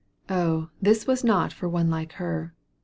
Oh this was not for one like her.